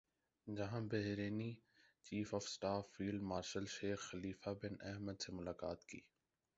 جہاں بحرینی chief of staff field marshal Sheikh Khalifa bin Ahmed سے ملاقات کی